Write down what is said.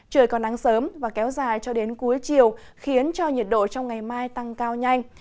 trời còn nắng sớm và kéo dài cho đến cuối chiều khiến cho nhiệt độ trong ngày mai tăng cao nhanh